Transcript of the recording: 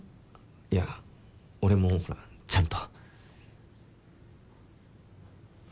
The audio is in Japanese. いや俺もちゃんと。